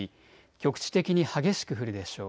局地的に激しく降るでしょう。